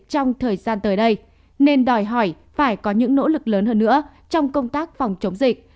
trong thời gian tới đây nên đòi hỏi phải có những nỗ lực lớn hơn nữa trong công tác phòng chống dịch